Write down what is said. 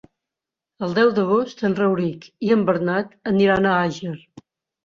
El deu d'agost en Rauric i en Bernat aniran a Àger.